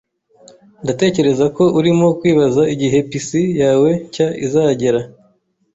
Ndatekereza ko urimo kwibaza igihe PC yawe nshya izagera.